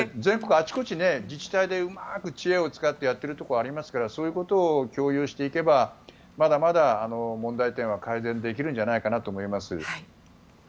あちこち自治体でうまく知恵を使ってやっているところもありますからそういうことを共有していけばまだまだ問題点は改善できるんじゃないかなと思います。